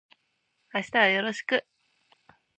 明日はよろしく